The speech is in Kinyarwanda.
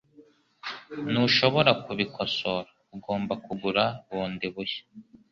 Ntushobora kubikosora. Ugomba kugura bundi bushya.